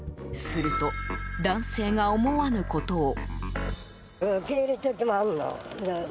すると、男性が思わぬことを。